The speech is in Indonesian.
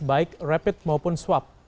baik rapid maupun swab